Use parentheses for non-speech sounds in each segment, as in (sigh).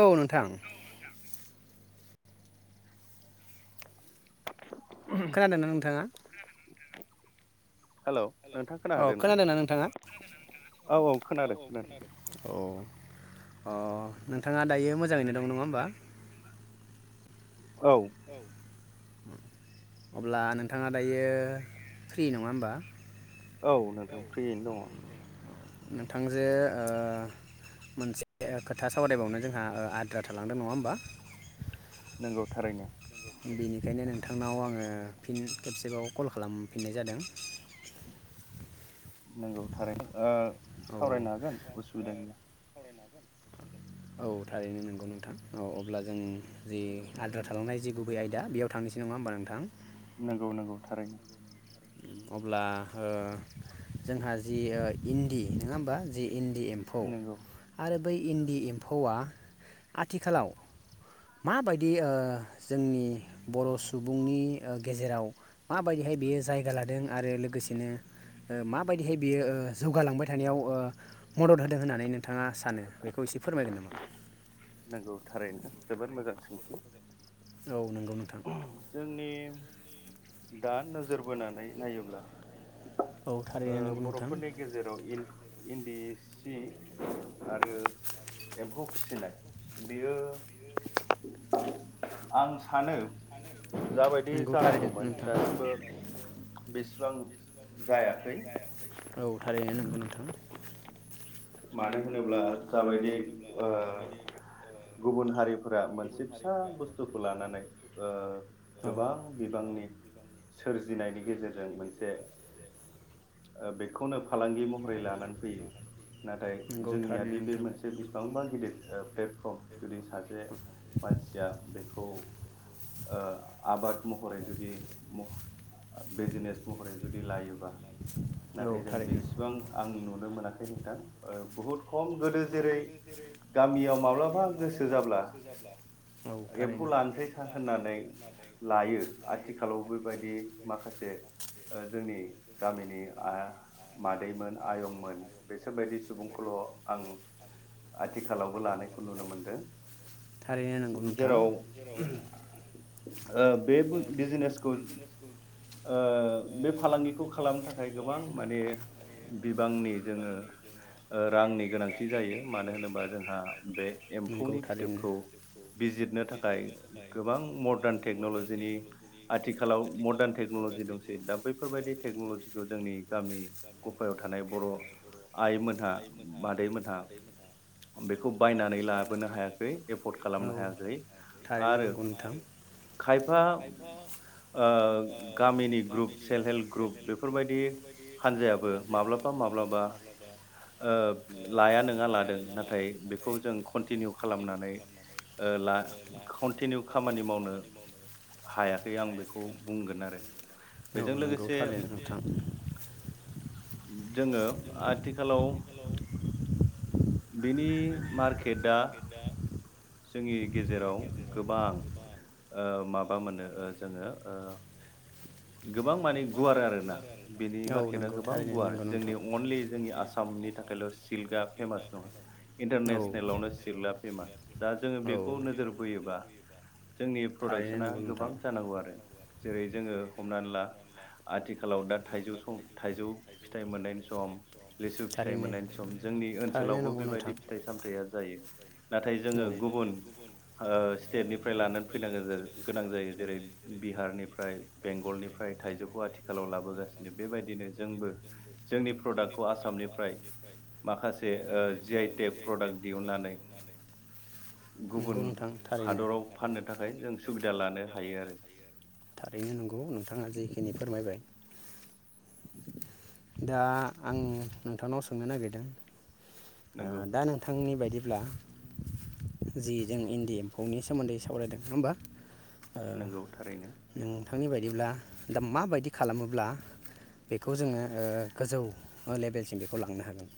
औ नोंथां। खोनादों ना नोंथाङा? हेलौ नोंथां खोनाहादोंना? औ औ खोनादों खोनादों। अ नोंथाङा दायो मोजाङैनो दं नङा होमबा? औ। अब्ला नोंथाङा दायो फ्रि नङा होमबा? औ नोंथां फ्रियैनो दङ। नोंथांजोे मोनसे खोथा सावरायबावनो जोंहा आद्रा थालांदों नङा होमबा? नंगौ थारैनो। बेनिखायनो नोंथांनाव आङो फिन खेबसेबाव कल खालामफिननाय जादों। नंगौ थारैनो ओ सावरायनो हागोन उसुबिदा गैया। औ थारैनो नंगौ नोंथां औ अब्ला जों जि आद्रा थालांनाय जि गुबै आयदा बेयाव थांनोसै नङा होमबा नोंथां। नंगौ नंगौ थारैनो। अब्ला जोंहा जि इन्दि नङा होमबा जि इन्दि एम्फौ आरो बै इन्दि एम्फौआ आथिखालाव माबायदि ओ जोंनि बर' सुबुंनि ओ गेजेराव माबायदिहाय बेयो जाय (unintelligible) लादों आरो लोगोसेनो ओ माबायदिहाय बियो ओ जौगालांबाय थानायाव ओ मदद होदों होननानै नोंथाङा सानो बेखौ एसे फोरमायगोन नामा? नोंगौ थारैनो जोबोद मोजां सोंथि। नोंगौ नोंथां। दा नोजोर बोनानै नायोब्ला ओ बर'फोरनि गेजेराव इन इन्दि सि आरो एम्फौ फिसिनाय बेयो आं सानो जाबायदि जानांगौमोन दासिमबो बेसिबां औ थारैनो नोंगौ नोंथां। मानो होनोब्ला जाबायदि दाबाइदि ओ गुबुन हारिफ्रा मोनसे फिसा बुस्थुखौ लानानै औ गोबां बिगांनि सोलोंथनायनि गेजेरजों ज ओ बेखौनो फालांगि महरै लानानै फैयो। नाथाय जोंनियादि बे मोनसे बेसेबांबा गिदिर प्लेटफर्म जुदि सासे मानसिया बेखौ ओ। आबाद महरै जुदि मह आ बिजनेस महरै जुदि लायोबा नाथाय जों बेसिबां आं नुनो मोनाखै। (unintelligible) ओ बहुत खम गोदो जेरै गामियाव माब्लाबा गोसो जाब्ला एम्फौ लानोसै स होननानै लायो आथिखालाव बेबायदि माखासे ओ जोंनि गामिनि आ मादैमोन आयंमोन बेसोरबादि स बुंखोल' आथिखालावबो लानायखौ नुनो मोनदों जेराव ओ बे बिजनेसखौ ओ बे फालांगिखौ खालामनो थाखाय गोबां माने बिबांनि जोङो ओ रांनि गोनांथि जायो मानो होनोबा जोंहा बे एम्फौनि फिथोबखौ बिजिरनो थाखाय गोबां मदार्न टेक्न'लजिनि आथिखालाव मदार्न टेक्न'लजि दंसै दा बैफार बायदि टेकन'लजिखौ जोंनि गामि गफायाव थानाय बर' आइमोनहा मादै मोनहा बेखौ बायनानै लाबोनो हायाखै एफर्ड खालामनो हायाखै आरो खायफा ओ गामिनि ग्रुप सेल्फ हेल्प ग्रुप बेफोरबायदि हान्जायाबो माब्लाबा माब्लाबा ओ लाया नङा लादों नाथाय बेखौ जों कन्टिनिउ खालामनानै ओ ला कन्टिनिउ खामानि मावनो हायाखै आं बेखौ बुंगोन आरो बेजों लोगोसे जोङो आथि बिनि मार्केटआ जोंनि गेजेराव गोबां ओ माबा मोनो ओ जोङो ओ गोबां माने गुवार आरोना बेनि मार्केटआ गोबां गुवार जोंनि अनलि जोंनि आसामनि थाखायल' सिलका फेमास नङा इन्टारनेसनेलावनो सिलका फेमास। दा जोङो बेखौ नोजोर बोयोबा जोंनि प्रडाक्सना गोबां जानांगौ आरो जेरै जोङो हमनानै ला आथिखालाव दा थायजौ सम थाइजौ फिथाइ मोननायनि सम लिसु फिथाइ मोननायनि सम जोंनि नि ओनसोलावबो बेबायदि फिथाइ सामथाया जायो। जोङो गुबुन ओ स्टेटनिफ्राय लानानै फैनां गोनां जायो जेरै बिहारनिफ्राय बेंगलनिफ्राय थाइजौखौ आथिखालाव लाबोगासिनो बेबायदिनो जोंबो जोंनि प्रडाक्टखौ आसामनिफ्राय माखासे ओ जि आइ टेक प्रडाक्ट दिहुननानै गुबुन हादराव फाननो थाखाय जों सुबिदा लानो हायो आरो दा आं नोंथांनाव सोंनो नागिरदों। ओ दा नोंथांनि बायदि ब्ला जि जों इन्दि एम्फौनि सोमोन्दै सावरायदों नङा होमबा नंगौ थारैनो। थांनि बायदिब्ला दा माबायदि खालामोब्ला बेखौ जोङो ओ गोजौ ओ लेबेलसिम बेखौ लांनो हागोन?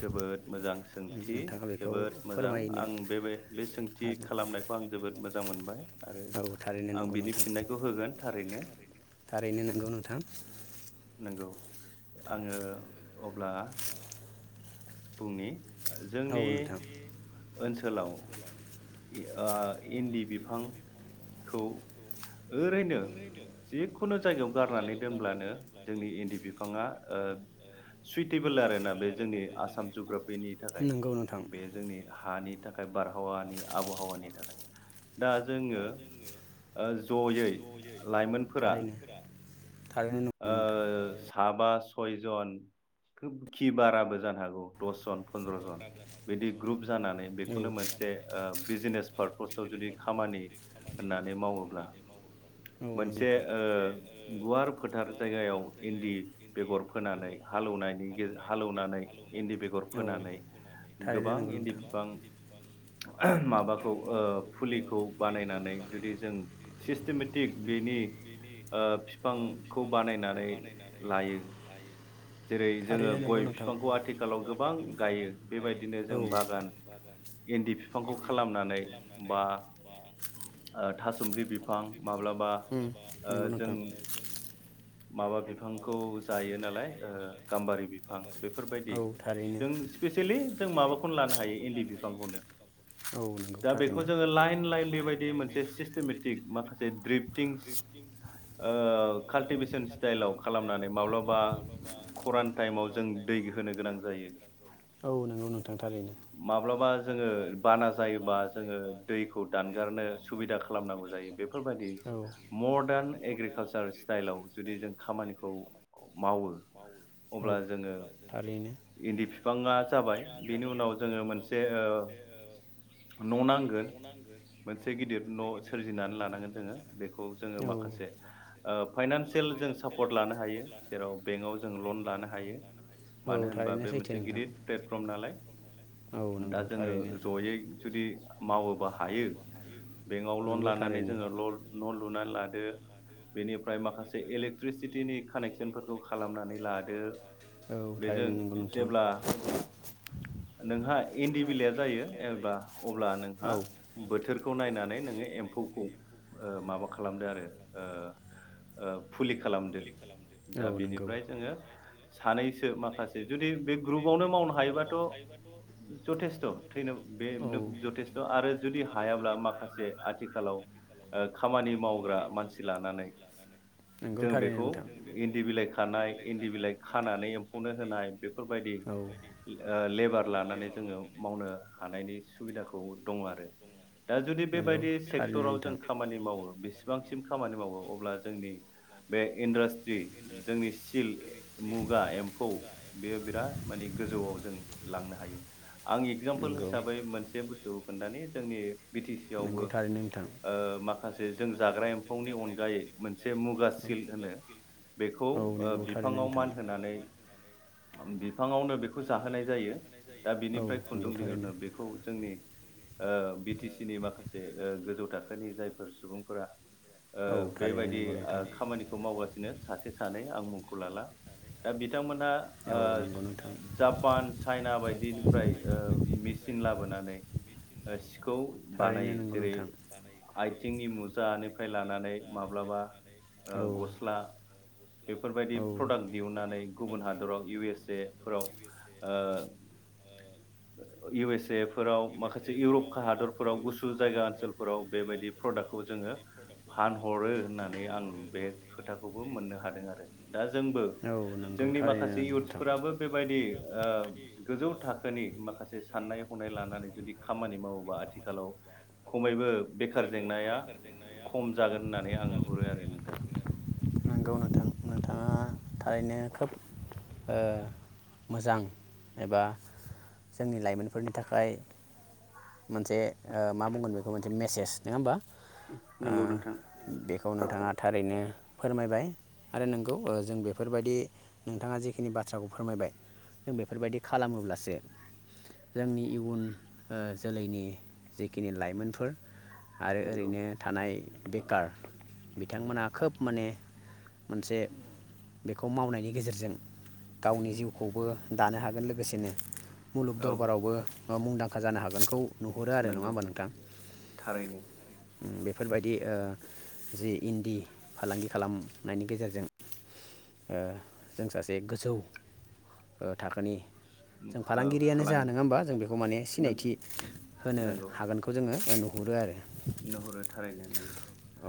जोबोद मोजां सोंथि जोबोद मोजां आं बे बे सोंथि खालामनायखौ आं जोबोद मोजां मोनबाय। औ थारैनो नोंगौ नोंथां थारैनो नंगौ नोंथां। नंगौ आङो अब्ला बुंनि औ नोंथां। ओनसोलाव इ अ इन्दि बिफांखौ ओरैनो जिखुनु जायगायाव गारनानै दोनब्लानो इन्दि बिफाङा ओ सुइटेबोल आरोना बे जोंनि आसाम जुग्राफिनि थाखाय बे जोंनि हानि थाख बारहावानि आबहावानि थाखाय दा जोङो अ जयै लाइमोनफोरा ओ साबा सय जन खोबखि बाराबो जानो हागौ दस जन पन्द्र जन बिदि ग्रुप जानानै बेखौनो मोनसे ओ बिजनेस पारपसाव जुदि खामानि होननानै मावोब्ला मोनसे ओ गुवार फोथार जायगायाव इन्दि बेगर फोनानै हालएवनायनि गेर हालएवनानै इन्दि बेगर फोनानै गोबां इन्दि बिफां माबाखौ ओ फुलिखौ बानायनानै जुदि जों सिस्टेमेटिक बेनि ओ बिफां खौ बानायनानै लायो जेरै- जोङो गय बिफांखौ आथिखालाव गोबां गायो बेबायदिनो जों बागान इन्दि बिफांखौ खालाम उम नोंगौ नोंथां (unintelligible) बिफांखौ जायो नालाय अ गाम्बारि बिफां बेफोरबायदि जों स्पेसिलि जों माबाखौनो लानो हायो इन्दि बिफांखौनो। दा बेखौ जों लाइन-लाइन बेबायदि मोनसे सिस्टेमेटिक माखासे द्रिपथिंस अ कालटिभेच सेनस्टाइलाव खालामनानै माब्लाबा खरान टाइमाव जों दै होनो गोनां जायो माब्लाबा जोङो बाना जायोबा जोङो दैखौ दानगारनो सुबिदा खालामनांगौ जायो बेफोरबायदि मदार्न एग्रिकालसार स्टाइलाव जुदि जों खामानिखौ मावो अब्ला जोङो इन्दि बिफाङा जाबाय बेनि उनाव जोङो मोनसे अ न' नांगोन मोनसे गिदिर न' सोरजिनानै लानांगोन जोङो बेखौ जोङो माखासे ओ फाइनान- जों सापर्ट लानो हायो जेराव बेंकआव जों लन लानो हायो मानो होनबा बे मोनसे गिदिर प्लेटफर्म नालाय दा जोङो जयै जुदि मावोबा हायो बेंकआव लन लानानै जोङो लर न' लुनानै ला- नो बेनिफ्राय माखासे इलेक्ट्रिसिटिनि कानेक्सनफोरखौ खालामनानै लादो बेजों जेब्ला नोंहा इन्दि बिलाइया जायो एबा अब्ला नोंहा बोथोरखौ नायनानै नोङो एम्फौखौ ओ माबा खालामदो आरो ओ ओब फुलि खालामदो दा बेनिफ्राय जोङो सानैसो माखासे जुदि बे ग्रुपावनो मावनो हायोबाथ' जथेस्थ' थैनो बेनो जथेस्थ' आरो जुदि हायाब्ला माखासे आथिखालाव ओ खामानि मावग्रा मानसि लानानै नोंगौ। खौ इन्दि बिलाइ खानाय इन्दि बिलाइ खानानै एम्फौनो होनाय बेफोरबायदि ओ लेबार लानानै जोङो मावनो हानायनि सुबिदाखौ दं आरो दा जुदि बेबायदि सेक्टराव जों खामानि मावो बेसेबांसिम खामानि मावो अब्ला बे इन्डास्ट्रि जोंनि सिलक मुगा एम्फौ बेयो बिराद माने गोजौआव जों लांनो हायो आं एगजामपोल हिसाबै मोनसे बुस्थुखौ खोन्थानाय जोंनि बि टि सि आवबो ओ माखासे जाग्रा एम्फौनि अनगायै मोनसे मुगा सिल होनो बेखौ ओ बिफाङाव मान होनानै (unintelligible) बिफाङावनो बेखौ जाहोनाय जायो दा बिनिफ्राय खुन्दुं दिहुनो बेखौ जोंनि ओबि टि सि नि माखासे गोजौ थाखोनि जाय सुबुंफोरा ओ बेबायदि आ खामानिखौ मावगासिनो सासे सानै आं मुंखौ लाला दा बिथांमोनहा जापान चाइना बायदिनिफ्राय ओ मेचिन लाबोनानै सिखौ बानायो जेरै आथिंनि मुजानिफ्राय लानानै माब्लाबा ओ गस्ला बेफोरबायदि प्रडाक्ट दिहुननानै गुबुन हादराव इउ एस ए फोराव ओ इउ एस ए फोराव माखासे इउरपखा हादरफोराव गुसु जायगा ओनसोलफोराव बेबायदि प्रडाक्टखौ जोङो फान होननानै आं बे खोथाखौबो मोननो हादों आरो। दा जोंबो जोंनि माखासे इउथ्सफोराबो बेबायदि ओ गोजौ थाखोनि माखासे साननाय हनाय लानानै जुदि खामानि मावोबा आथिखालाव खमैबो बेखार जेंनाया खम जागोन होननानै आं नुहुरो आरो नोंथां। नंगौ नोंथां नोंथाङा थारैनो खोब मोजां एबा जोंनि लाइमोनफोरनि थाखाय मोनसे मा ओ बुंगोन बेखौ मोनसे मेसेज नङा होमबा? ओ बेखौ नोंथाङा थारैनो फोरमायबाय आरो नोंगौ जों बेफोरबायदि नोंथाङा जेखिनि बाथ्राखौ फोरमायबाय जों बेफोरबायदि खालामोब्लासो जोंनि इयुन जोलैनि जेखिनि लाइमोनफोर आरो ओरैनो थानाय बेकार बिथांमोना खोब माने मोनसे बेखौ मावनायनि गेजेरजों गावनि जिउखौबो दानो हागोन लोगोसेनो मुलुग दरबारावबो ओ मुंदांखा जानो हागौ बिबानखौ नुहरो आरो नङा होनबा नोंथां? बेफोरबायदि ओ जि इन्दि फालांगि खालाम नायनि गेजेरजों ओ जों सासे गोजौ ओ थाखोनि जों फालांगिरियानो जा नोङा होमबा जों बेखौ माने सिनायथि होनो हागोनखौ जोङो ओ नु गुरो आरो औ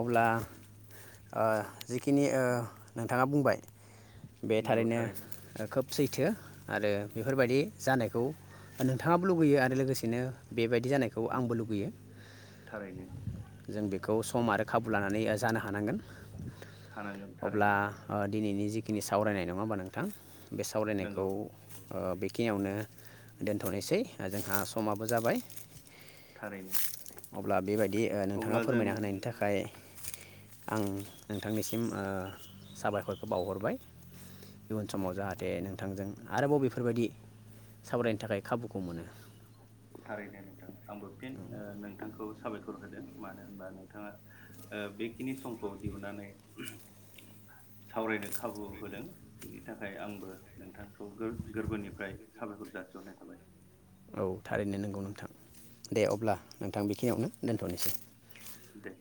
अब्ला आ जिखिनि ओ नोंथाङा बुंबाय। बे थारैनो ओ खोब सैथो आरो बेफोरबायदि जानायखौ नोंथाङाबो लुुगैयो आरो लोगोसेनो बेबायदि जानायखौ आंबो लुुगैयो। जों बेखौ सम आरो खाबु लानानैया जानो हानांगोन। हानांगोन। ब्ला ओ (inaudible) दिनैनि जिखिनि सावरायनाय नङा होमबा नोंथां। बे सावरायनायखौ ओ बेखिनियावनो दोनथ'नोसै ओ जोंहा समाबो जाबाय। अब्ला बेबायदि ओ नोंथाङा फोरमायना होनायनि थाखाय आं नोंथांनिसिम ओ साबायखरखौ बावहरबाय इयुन समाव जाहाथे नोंथांजों आरोबाव बेफोरबायदि सावरायनो थाखाय खाबुखौ मोनो। थारैनो नोंथां आंबो फिन ओ नोंथांखौ साबायखर साबखर होदों मानो होनबा नोंथाङा ओ बेखिनि समखौ दिहुननानै सावरायनो खाबु होदों बेनि थाखाय आंबो नोंथांखौ गोर-गोरबोनिफ्राय साबायखर जासिहरनाय थाबाय। औ थारैनो नोंगौ नोंथां दे अब्ला नोंथां बेखिनियावनो दोनथ'नोसै। दे।